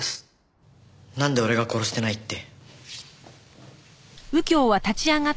なんで俺が殺してないって。